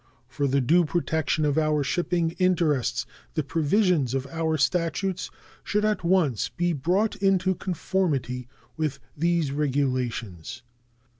For the due protection of our shipping interests the provisions of our statutes should at once be brought into conformity with these regulations.